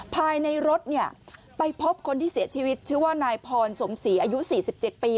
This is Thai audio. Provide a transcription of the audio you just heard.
ภายในรถไปพบคนที่เสียชีวิตชื่อว่านายพรสมศรีอายุ๔๗ปี